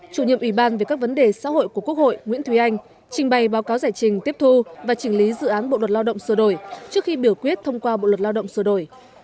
chủ nhiệm ủy ban về các vấn đề xã hội của quốc hội nguyễn thúy anh trình bày báo cáo giải trình tiếp thu và trình lý dự án bộ luật lao động sửa đổi trước khi biểu quyết thông qua bộ luật lao động sửa đổi